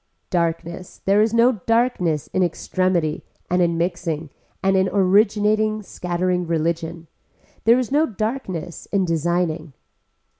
Darkness, there is no darkness in extremity and in mixing and in originating scattering religion. There is no darkness in designing.